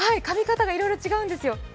かみ方がいろいろ違うんですよ。